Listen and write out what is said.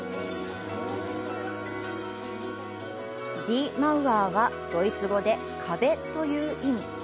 「ディ・マウアー」はドイツ語で「壁」という意味。